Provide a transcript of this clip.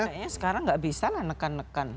kayaknya sekarang nggak bisa lah nekan nekan